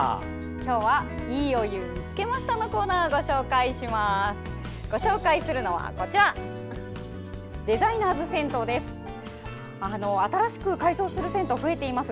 今日は「＃いいお湯見つけました」のコーナーをご紹介します。